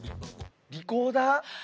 リコーダー？